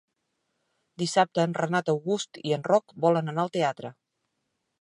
Dissabte en Renat August i en Roc volen anar al teatre.